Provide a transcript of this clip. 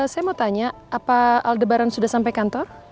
saya mau tanya apa aldebaran sudah sampai kantor